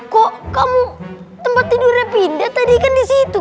kok kamu tempat tidurnya pindah tadi kan disitu